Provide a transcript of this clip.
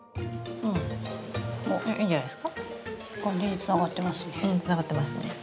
つながってますね。